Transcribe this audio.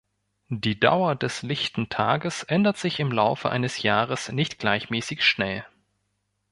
Die Dauer des lichten Tages ändert sich im Laufe eines Jahres nicht gleichmäßig schnell.